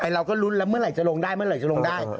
เราก็รุ้นมาแล้วเมื่อไหร่จะลงได้